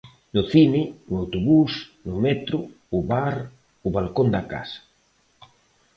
No cine, no autobús, no metro, o bar, o balcón da casa.